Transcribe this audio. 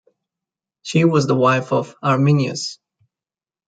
She was the wife of Arminius.